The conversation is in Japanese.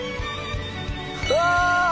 うわ！